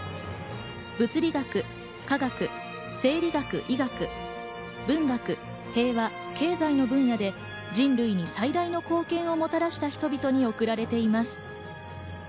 物理学、化学、生理学・医学、文学、平和、経済の分野で人類に最大の貢献をもたらした人々に贈られています。